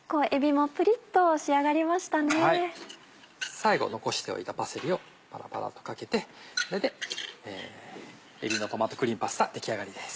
最後残しておいたパセリをパラパラとかけてこれで「えびのトマトクリームパスタ」出来上がりです。